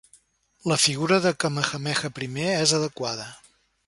La figura de Kamehameha I és adequada.